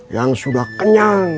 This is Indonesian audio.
yang sudah kenyang